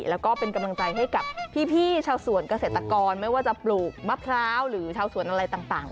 แล้วก็เป็นกำลังใจให้กับพี่ชาวสวนเกษตรกรไม่ว่าจะปลูกมะพร้าวหรือชาวสวนอะไรต่าง